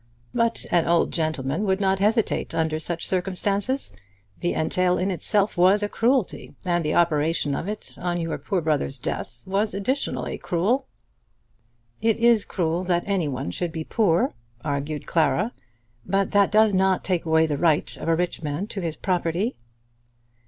"But an old gentleman would not hesitate under such circumstances. The entail in itself was a cruelty, and the operation of it on your poor brother's death was additionally cruel." "It is cruel that any one should be poor," argued Clara; "but that does not take away the right of a rich man to his property."